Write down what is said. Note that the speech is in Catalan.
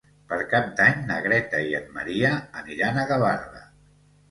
Per Cap d'Any na Greta i en Maria aniran a Gavarda.